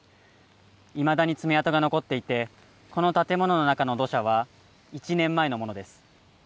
いまだに爪痕が残っていて、この建物の中の土砂は１年前のものです。